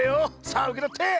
さあうけとって！